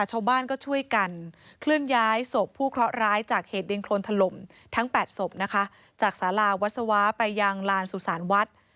จากศาลาวัสวะไปยังลานสุสานวัด